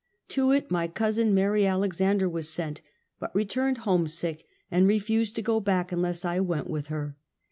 To it my cousin, Mary Alex ander, was sent, but returned homesick, and refused to go back unless I went with her.